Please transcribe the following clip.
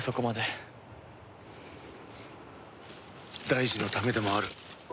大二のためでもある。